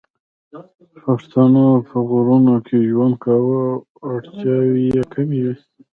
پښتنو په غرونو کې ژوند کاوه او اړتیاوې یې کمې وې